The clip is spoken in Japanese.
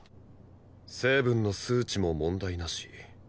成分の数値も問題なし。